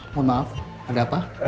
mohon maaf ada apa